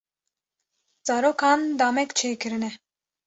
Zarokan damek çêkirine.